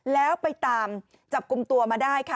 แล้วไปตามจับกลุ่มตัวมาได้ค่ะ